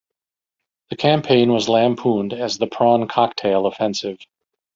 The campaign was lampooned as the "Prawn Cocktail Offensive".